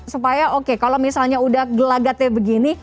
supaya oke kalau misalnya udah gelagatnya begini